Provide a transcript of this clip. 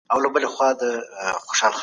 کینز د دولت پر مداخلې ټینګار کاوه.